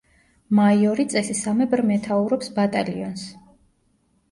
მაიორი წესისამებრ მეთაურობს ბატალიონს.